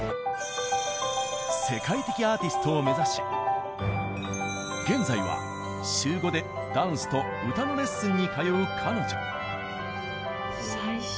世界的アーティストを目指し現在は週５でダンスと歌のレッスンに通う彼女。